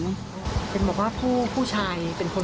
เห็นบอกว่าผู้ชายเป็นคน